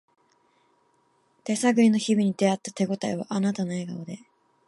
手探りの日々に出会った手ごたえはあなたの笑顔で